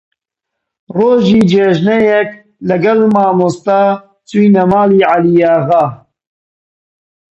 ڕۆژی جێژنەیەک لەگەڵ مامۆستا چووینە ماڵی عەلیاغا